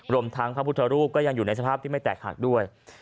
รวมทั้งพระพุทธรูปก็ยังอยู่ในสภาพที่ไม่แตกหักด้วย